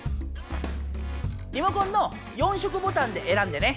リモコンの４色ボタンでえらんでね。